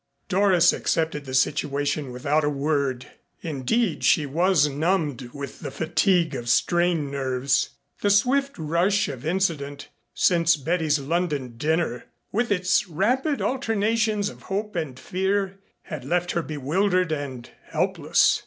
Doris accepted the situation without a word. Indeed she was numbed with the fatigue of strained nerves. The swift rush of incident since Betty's London dinner, with its rapid alternations of hope and fear, had left her bewildered and helpless.